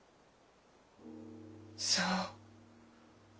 そう。